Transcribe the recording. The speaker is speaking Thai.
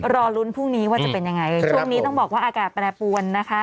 รอลุ้นพรุ่งนี้ว่าจะเป็นยังไงช่วงนี้ต้องบอกว่าอากาศแปรปวนนะคะ